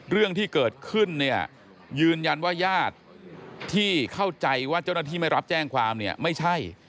เรื่องที่เกิดขึ้นเนี่ยยืนยันว่าญาติที่เข้าใจว่าเจ้าหน้าที่ไม่รับแจ้งความเนี่ยไม่ใช่